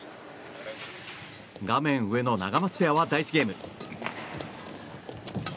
画面上のナガマツペアは第１ゲーム。